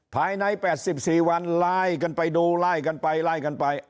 ภายใน๘๔วันลายกันไปดูลายกันไปลายกันไป